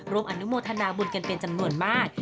ร่วมอนุโมทนาบุญกันเป็นจำนวนมาก